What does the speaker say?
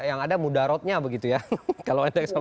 yang ada mudarotnya begitu ya